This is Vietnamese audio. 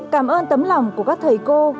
cảm ơn tấm lòng của các thầy cô